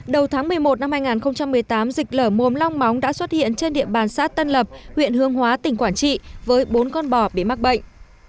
đầu tháng một mươi một năm hai nghìn một mươi tám dịch lở mồm long móng đã xuất hiện trên địa bàn xã tân lập huyện hương hóa tỉnh quảng trị với bốn con bò bị mắc bệnh